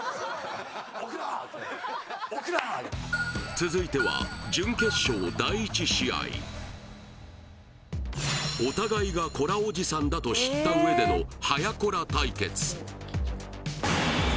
続いては準決勝第１試合お互いがコラおじさんだと知った上での早コラ対決